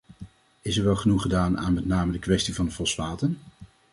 Is er wel genoeg gedaan aan met name de kwestie van de fosfaten?